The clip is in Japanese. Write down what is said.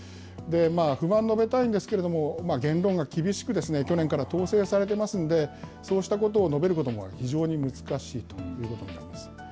不満述べたいんですけれども、言論が厳しく去年から統制されてますんで、そうしたことを述べることも非常に難しいということになります。